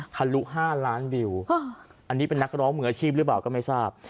ทะลุ๕ล้านวิวอันนี้เป็นนักร้องมืออาชีพหรือเปล่าก็ไม่ทราบ